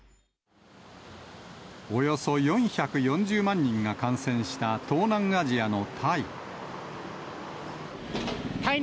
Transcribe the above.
およそ４４０万人が感染した東南アジアのタイ。